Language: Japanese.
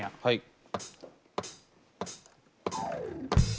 はい。